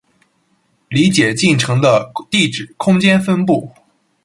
理解进程的地址空间分布